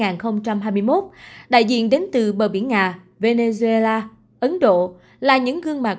năm hai nghìn hai mươi một đại diện đến từ bờ biển nga venezuela ấn độ là những gương mặt